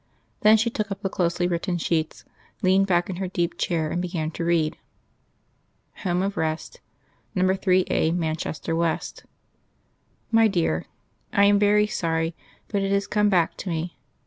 Then she took up the closely written sheets, leaned back in her deep chair, and began to read. "HOME OF REST, "NO 3A MANCHESTER WEST. "MY DEAR: I am very sorry, but it has come back to me.